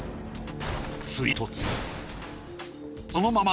追突。